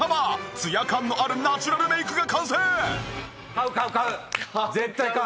ツヤ感のあるナチュラルメイクが完成！